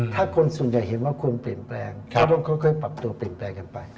ถ้าคนส่วนใหญ่เห็นว่าคนเปลี่ยนแปลงก็ต้องค่อยปรับตัวเปลี่ยนแปลงกันไป